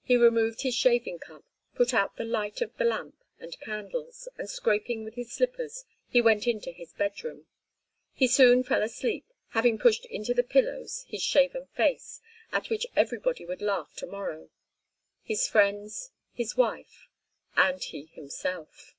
He removed his shaving cup, put out the light of the lamp and candles, and scraping with his slippers he went to his bedroom. He soon fell asleep, having pushed into the pillow his shaven face, at which everybody would laugh to morrow: his friends, his wife—and he himself.